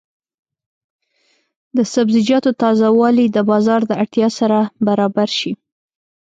د سبزیجاتو تازه والي د بازار د اړتیا سره برابر شي.